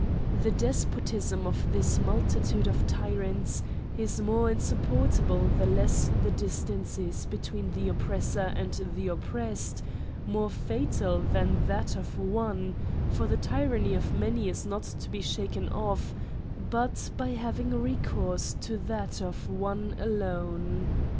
The despotism of this multitude of tyrants is more insupportable the less the dis tance is between the oppressor and the oppressed, more fatal than that of one, for the tyranny of many is not to be shaken off but by having re course to that of one alone.